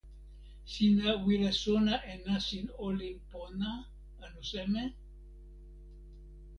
sina wile sona e nasin olin pona, anu seme?